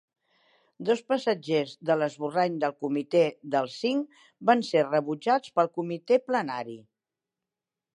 Dos passatges de l'esborrany del Comitè dels Cinc van ser rebutjats pel Comitè Plenari.